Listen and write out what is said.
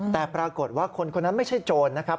แต่ปรากฏว่าคนคนนั้นไม่ใช่โจรนะครับ